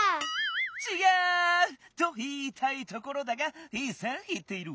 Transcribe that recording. ちがう！といいたいところだがいいせんいっている。